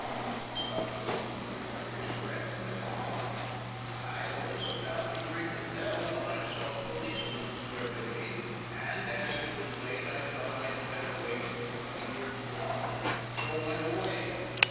He stopped a moment to recover his breath, and then went on. "I was about to ring the bell when I saw a policeman observing me, and as it was late I thought I had better wait until he was gone and so went away.